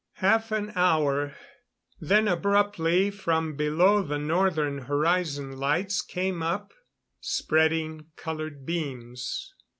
Half an hour. Then abruptly from below the northern horizon lights came up spreading colored beams.